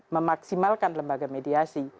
memaksimalkan lembaga mediasi